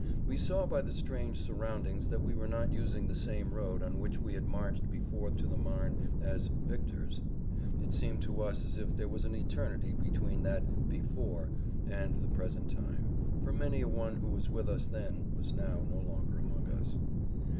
We saw by the strange surroundings that we were not using the same road on which we had marched before to the Marne as "victors." "Before!" It seemed to us as if there was an eternity between that "before" and the present time, for many a one who was with us then was now no longer among us.